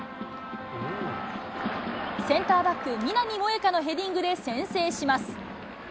センターバック、南萌華のヘディングで先制します。